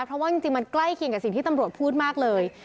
เพราะว่าจริงมันใกล้เคียงกับสิ่งที่ตำรวจพูดมากเลย